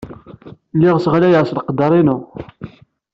Lliɣ sseɣlayeɣ s leqder-inu.